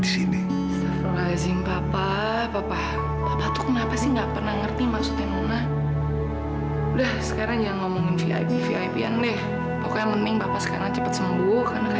sampai jumpa di video selanjutnya